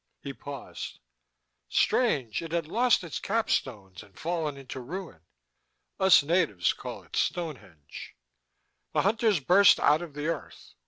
He paused. "Strange, it had lost its cap stones and fallen into ruin." "Us natives call it Stonehenge." "The Hunters burst out of the earth.